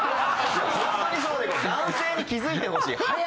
男性に気づいてほしい。